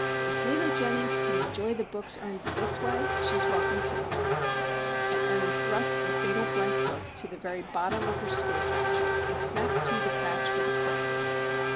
If Lulu Jennings can enjoy the books earned this way, she's welcome to 'em!" And Ernie thrust the fatal blank book into the very bottom of her school satchel, and snapped to the catch with a click!